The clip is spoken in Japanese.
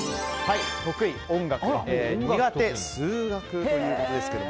得意、音楽苦手、数学ということです。